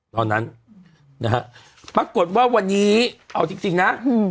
ตอนนั้นนะฮะปรากฏว่าวันนี้เอาจริงนะ